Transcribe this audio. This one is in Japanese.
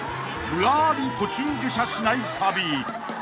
ぶらり途中下車しない旅］